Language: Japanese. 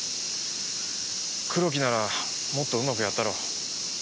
黒木ならもっとうまくやったろう。